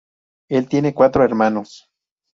Él tiene cuatro hermanos.